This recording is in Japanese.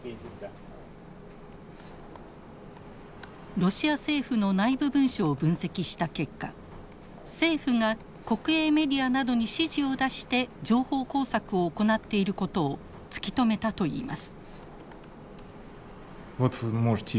ロシア政府の内部文書を分析した結果政府が国営メディアなどに指示を出して情報工作を行っていることを突き止めたといいます。